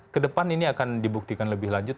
kedepan ini akan dibuktikan lebih lanjut